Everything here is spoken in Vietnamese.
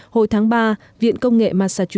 hồi tháng ba viện công nghệ massachusetts cũng cho biết